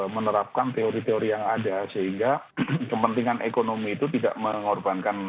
menerapkan teori teori yang ada sehingga kepentingan ekonomi itu tidak mengorbankan